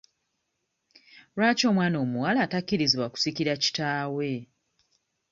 Lwaki omwana omuwala takkirizibwa kusikira kitaawe?